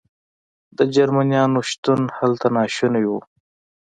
د جرمنیانو شتون هلته ناشونی و.